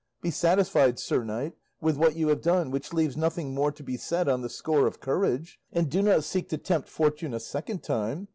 Be satisfied, sir knight, with what you have done, which leaves nothing more to be said on the score of courage, and do not seek to tempt fortune a second time.